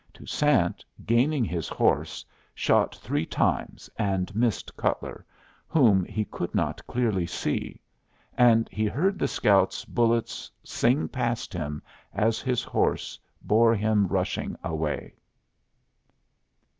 Toussaint, gaining his horse, shot three times and missed Cutler, whom he could not clearly see; and he heard the scout's bullets sing past him as his horse bore him rushing away.